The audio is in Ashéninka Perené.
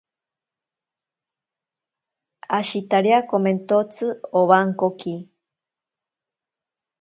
Ashitariamentotsi owankoki.